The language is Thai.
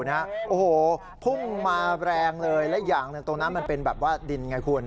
โอ้โหพุ่งมาแรงเลยและอย่างหนึ่งตรงนั้นมันเป็นแบบว่าดินไงคุณ